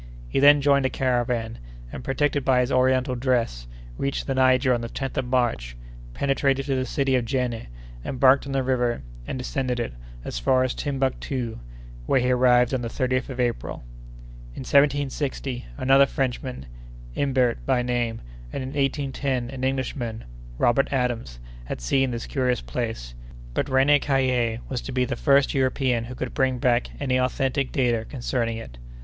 He then joined a caravan, and, protected by his Oriental dress, reached the Niger on the 10th of March, penetrated to the city of Jenné, embarked on the river, and descended it, as far as Timbuctoo, where he arrived on the 30th of April. In 1760, another Frenchman, Imbert by name, and, in 1810, an Englishman, Robert Adams, had seen this curious place; but René Caillié was to be the first European who could bring back any authentic data concerning it.